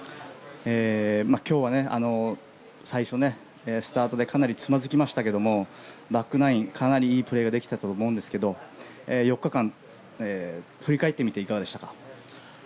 今日は最初スタートでかなりつまずきましたけどバックナインかなりいいプレーができたと思うんですが４日間、振り返ってみていかがでしたか？